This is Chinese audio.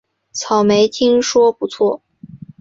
草莓听说不错